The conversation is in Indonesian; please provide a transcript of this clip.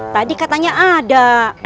tadi katanya ada